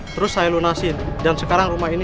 terus saya lunasin dan sekarang rumah ini